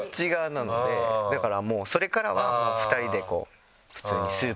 だからもうそれからは２人で普通に。